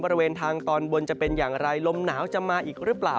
บริเวณทางตอนบนจะเป็นอย่างไรลมหนาวจะมาอีกหรือเปล่า